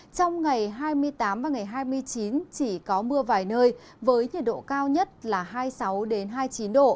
trong ngày hai mươi tám và ngày hai mươi chín chỉ có mưa vài nơi với nhiệt độ cao nhất là hai mươi sáu hai mươi chín độ